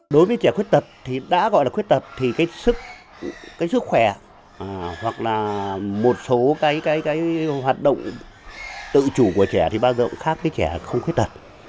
đối với trẻ khuyết tật thì đã gọi là khuyết tật thì cái sức khỏe hoặc là một số cái hoạt động tự chủ của trẻ thì bao giờ cũng khác với trẻ không khuyết tật